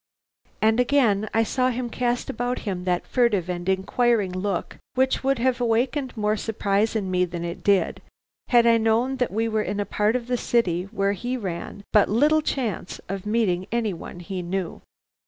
And again I saw him cast about him that furtive and inquiring look which would have awakened more surprise in me than it did had I known that we were in a part of the city where he ran but little chance of meeting any one he knew.